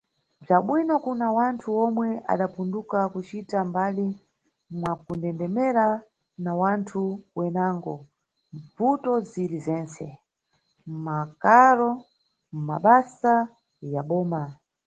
Bza bwino kuna wanthu omwe adapunduka kucita mbali, mwakundendemera na wanthu wenango, mʼmbuto ziri zentse: mʼmakaro, mʼmabasa ya boma.